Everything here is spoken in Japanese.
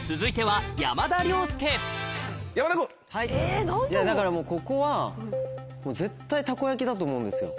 はいだからもうここは絶対たこ焼きだと思うんですよ。